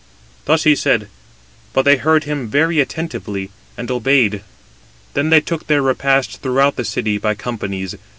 Thus he said: but they heard him very attentively, and obeyed. Then they took their repast throughout the city, by companies.